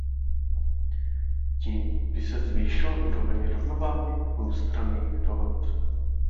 Tím by se zvýšila úroveň rovnováhy dvoustranných dohod.